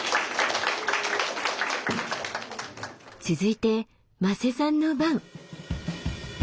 続いて馬瀬さんの番。